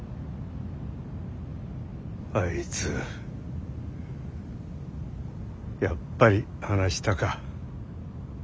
あいつやっぱり話したか。